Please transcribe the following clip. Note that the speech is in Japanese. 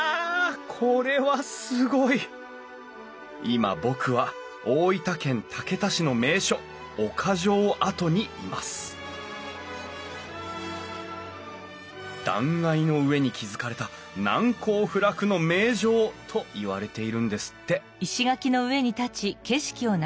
今僕は大分県竹田市の名所岡城跡にいます断崖の上に築かれた「難攻不落の名城」といわれているんですって